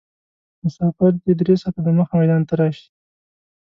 مسافر دې درې ساعته دمخه میدان ته راشي.